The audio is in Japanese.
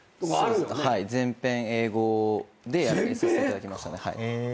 全編英語でやらさせていただきましたね。